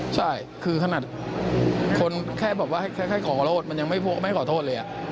ใช่คือขนาดคนแค่บอกว่าแค่ขอขอโทษมันยังไม่ขอโทษเลย